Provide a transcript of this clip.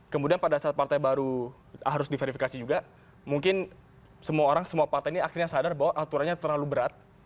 kemudian pada saat partai baru harus diverifikasi juga mungkin semua orang semua partai ini akhirnya sadar bahwa aturannya terlalu berat